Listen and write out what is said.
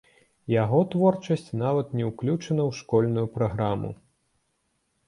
Яго творчасць нават не ўключана ў школьную праграму.